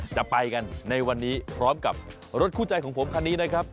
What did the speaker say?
จะไปกันในวันนี้พร้อมกับรถคู่ใจของผมคันนี้นะครับ